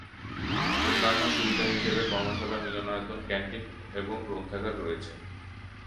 অন্যান্য সুবিধা হিসেবে কর্মশালা, মিলনায়তন, ক্যান্টিন, এবং গ্রন্থাগার রয়েছে।